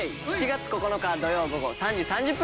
７月９日土曜午後３時３０分から。